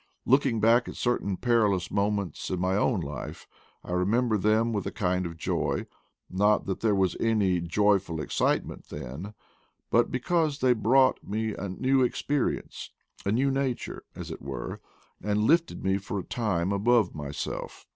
Looking back at certain perilous mo ments in my own life, I remember them with a kind of joy; not that there was any joyful ex citement then, but because they brought me a new experience — a new nature, as it were — and lifted THE PLAINS OF PATAGONIA 213 me for a time above myself.